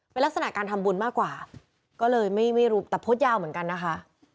เป็นลักษณะการทำบุญมากกว่าก็เลยไม่รู้แต่โพสต์ยาวเหมือนกันนะคะ